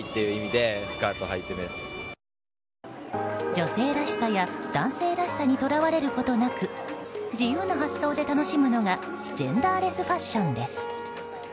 女性らしさや男性らしさに捉われることなく自由な発想で楽しむのがジェンダーレスファッションです。